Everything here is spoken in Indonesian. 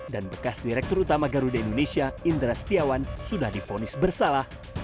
dan bekas direktur utama garuda indonesia indra setiawan sudah difonis bersalah